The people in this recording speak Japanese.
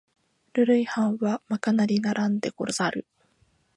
ルール違反はまかなりならんでござる